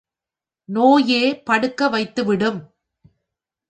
நோயே படுக்க வைத்துவிடும்.